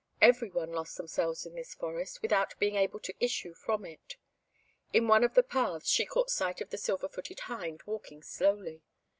Every one lost themselves in this forest, without being able to issue from it. In one of the paths she caught sight of the Silver footed Hind walking slowly.